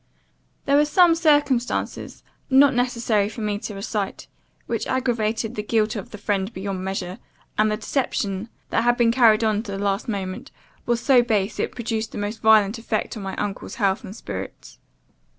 "There were some circumstances, not necessary for me to recite, which aggravated the guilt of the friend beyond measure, and the deception, that had been carried on to the last moment, was so base, it produced the most violent effect on my uncle's health and spirits.